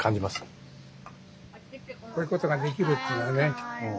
こういうことができるっていうのはね